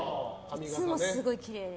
いつもすごいきれいで。